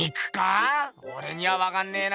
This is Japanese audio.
オレにはわかんねぇな。